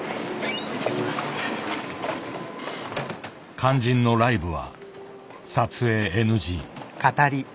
肝心のライブは撮影ＮＧ。